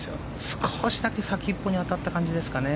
少しだけ先っぽに当たった感じですかね。